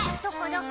どこ？